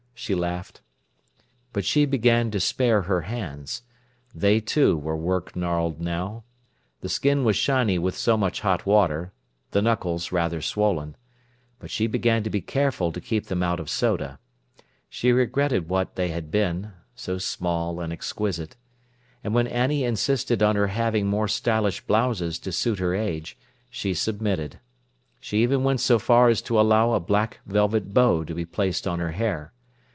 she laughed. But she began to spare her hands. They, too, were work gnarled now. The skin was shiny with so much hot water, the knuckles rather swollen. But she began to be careful to keep them out of soda. She regretted what they had been—so small and exquisite. And when Annie insisted on her having more stylish blouses to suit her age, she submitted. She even went so far as to allow a black velvet bow to be placed on her hair.